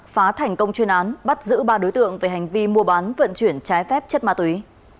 phá thành công chuyên án bắt giữ ba đối tượng về hành vi mua bán vận chuyển trái phép chất ma túy